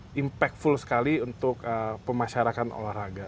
ini sangat impactful sekali untuk pemasyarakat olahraga